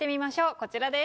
こちらです。